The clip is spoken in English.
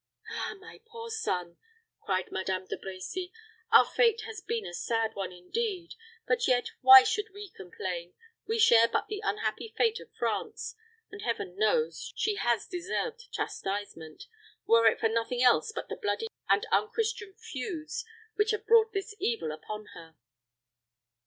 "Ah, my poor son!" cried Madame De Brecy; "our fate has been a sad one, indeed. But yet, why should we complain? We share but the unhappy fate of France, and, Heaven knows, she has deserved chastisement, were it for nothing else but the bloody and unchristian feuds which have brought this evil upon her."